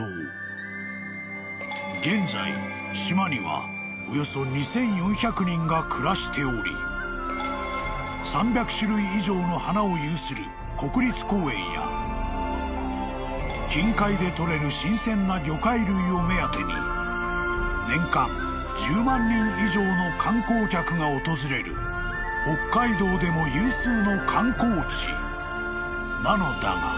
［現在島にはおよそ２，４００人が暮らしており３００種類以上の花を有する国立公園や近海でとれる新鮮な魚介類を目当てに年間１０万人以上の観光客が訪れる北海道でも有数の観光地なのだが］